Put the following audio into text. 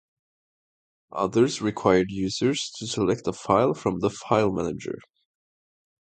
Others required users to select a file from the file manager.